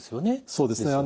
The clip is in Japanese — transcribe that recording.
そうですね。